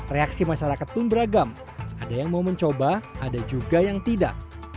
reaksi masyarakat pun beragam ada yang mau mencoba ada juga yang tidak